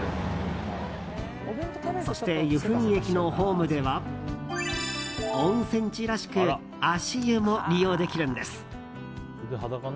そして、由布院駅のホームでは温泉地らしく足湯も利用できるんです。